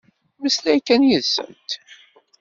Mmeslay kan yid-sent.